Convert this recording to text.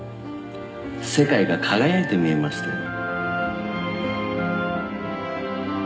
世界が輝いて見えましたよ。